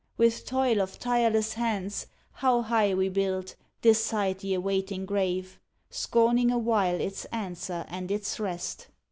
With toil of tireless hands, How high we build, this side the awaiting grave, Scorning awhile its answer and its rest!